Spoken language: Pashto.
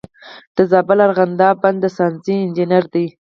د زابل ارغنداب بند د ساساني انجینر دی